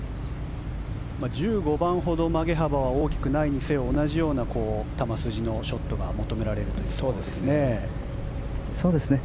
１５番ほど曲げ幅は大きくないにせよ同じような球筋のショットが求められるというところですね。